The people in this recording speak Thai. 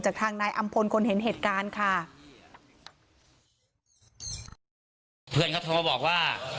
จากทางนายอำพลคนเห็นเหตุการณ์ค่ะ